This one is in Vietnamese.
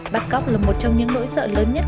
bắt cóc là một trong những nỗi sợ lớn nhất